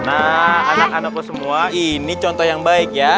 nah anak anakku semua ini contoh yang baik ya